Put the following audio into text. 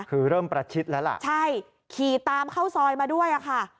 คือเริ่มประชิดแล้วล่ะใช่ขี่ตามเข้าซอยมาด้วยอะค่ะ